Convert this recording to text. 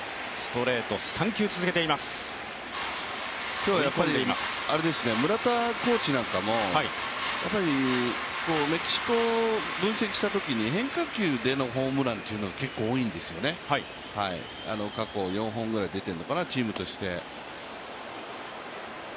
今日は村田コーチなんかも、メキシコを分析したときに変化球でのホームランというのが結構多いんですよね、過去、４本ぐらい出てるのかなチームとして。